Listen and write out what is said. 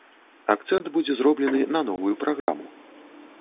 Акцэнт будзе зроблены на новую праграму.